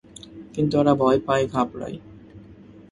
কিন্তু ওরা ভয় পায়, ঘাবড়ায়।